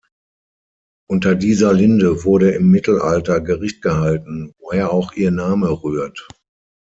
Unter dieser Linde wurde im Mittelalter Gericht gehalten, woher auch ihr Name rührt.